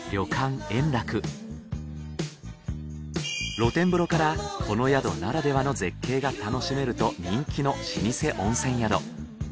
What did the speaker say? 露天風呂からこの宿ならではの絶景が楽しめると人気の老舗温泉宿。